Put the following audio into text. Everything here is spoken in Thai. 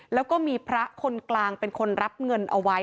แล้วก็มีพระคนกลางเป็นคนรับเงินเอาไว้